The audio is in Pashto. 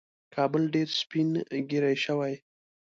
کابل ډېر سپین ږیری شوی